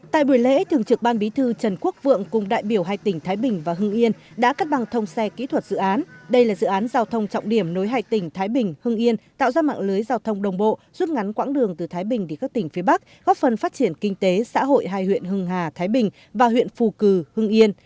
tại buổi lễ thường trực ban bí thư trần quốc vượng cùng đại biểu hai tỉnh thái bình và hưng yên đã cắt băng thông xe kỹ thuật dự án đây là dự án giao thông trọng điểm nối hai tỉnh thái bình hưng yên tạo ra mạng lưới giao thông đồng bộ rút ngắn quãng đường từ thái bình đi các tỉnh phía bắc góp phần phát triển kinh tế xã hội hai huyện hưng hà thái bình và huyện phù cử hưng yên